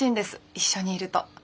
一緒にいると。